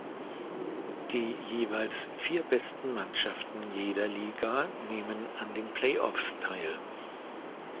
Die jeweils vier besten Mannschaften jeder Liga nehmen an den Play-offs teil.